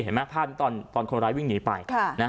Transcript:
เห็นไหมภาพนี้ตอนคนร้ายวิ่งหนีไป